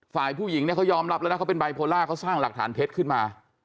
ฝ่ายผู้หญิงเนี่ยเขายอมรับแล้วนะเขาเป็นไบโพล่าเขาสร้างหลักฐานเท็จขึ้นมา